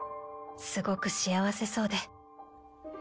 すごく幸せそうで。